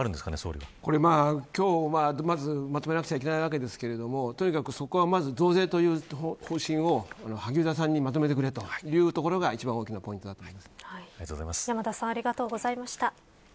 今日は、まずまとめなくちゃいけないわけですがまず増税という方針を萩生田さんにまとめてくれというところが一番大きな山田さんありがとうございました。